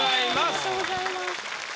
ありがとうございます。